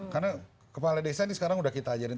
karena kepala desa ini sekarang sudah kita ajarin